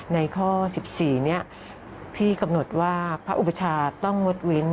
ในข้อ๑๔นี้พี่กำหนดว่าพระอุปชาต้องงดเว้น